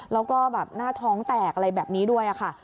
แล้วก็แบบหน้าท้องแตกอะไรแบบนี้ด้วยค่ะ